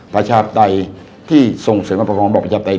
ประชาปไตรที่ส่งเสริมประหล่อประชาปไตร